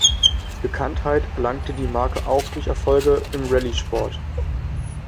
Bekanntheit erlangte die Marke auch durch Erfolge im Rallye-Sport.